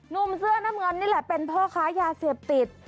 เสื้อน้ำเงินนี่แหละเป็นพ่อค้ายาเสพติด